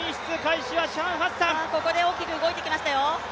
ここで大きく動いてきましたよ。